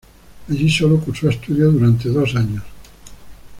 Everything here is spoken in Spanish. Allí sólo curso estudios durante dos años.